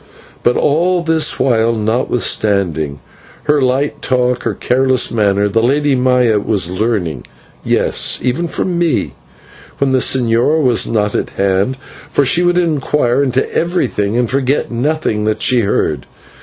But all this while, notwithstanding her light talk and careless manner, the Lady Maya was learning yes, even from me when the señor was not at hand, for she would inquire into everything and forget nothing that she heard.